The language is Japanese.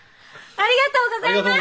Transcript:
ありがとうございます！